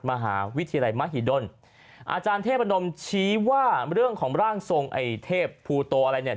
มหาวิทยาลัยมหิดลอาจารย์เทพนมชี้ว่าเรื่องของร่างทรงไอ้เทพภูโตอะไรเนี่ย